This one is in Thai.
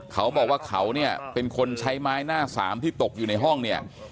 เขาบอกว่าเขาเนี่ยเป็นคนใช้ไม้หน้าสามที่ตกอยู่ในห้องเนี่ย